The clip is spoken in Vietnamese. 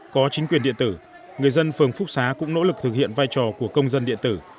có chính quyền điện tử người dân phường phúc xá cũng nỗ lực thực hiện vai trò của công dân điện tử